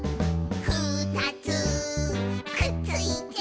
「ふたつくっついて」